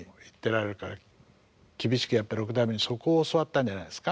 厳しくやっぱり六代目にそこを教わったんじゃないですか。